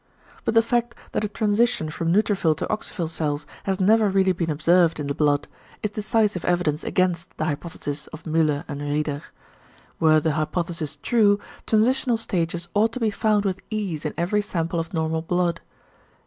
But the fact, that a transition from neutrophil to oxyphil cells has never really been observed in the blood, is decisive evidence against the hypothesis of Müller and Rieder. Were the hypothesis true, transitional stages ought to be found with ease in every sample of normal blood.